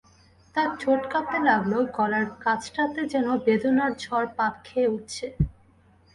তার ঠোঁট কাঁপতে লাগল, গলার কাছটাতে যেন বেদনার ঝড় পাক খেয়ে উঠছে।